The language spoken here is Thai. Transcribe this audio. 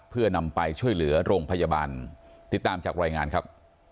เพื่อนำไปช่วยเหลือโรงพยาบาลติดตามจากรายงานครับ